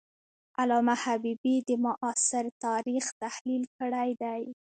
علامه حبیبي د معاصر تاریخ تحلیل کړی دی.